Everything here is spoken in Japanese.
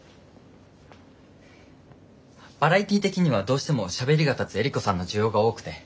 バラエティー的にはどうしてもしゃべりが立つエリコさんの需要が多くて。